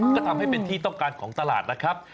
ก็ทำให้เป็นที่ต้องการของตลาดนะครับ